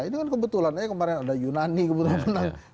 ini kan kebetulan ya kemarin ada yunani kebetulan